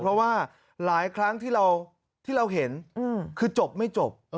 เพราะว่าหลายครั้งที่เราเห็นคือจบไม่จบ